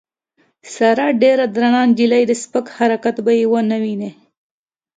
ساره ډېره درنه نجیلۍ ده سپک حرکت به یې ونه وینې.